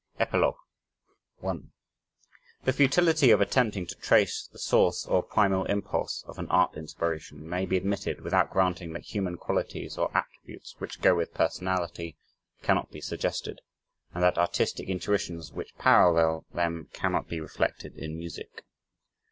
VI Epilogue 1 The futility of attempting to trace the source or primal impulse of an art inspiration may be admitted without granting that human qualities or attributes which go with personality cannot be suggested, and that artistic intuitions which parallel them cannot be reflected in music.